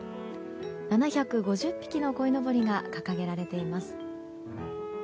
７５０匹のこいのぼりが掲げられています。